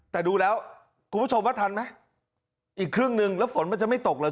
แต่ดูแล้วคุณผู้ชมว่าทันไหมอีกครึ่งหนึ่งแล้วฝนมันจะไม่ตกเลย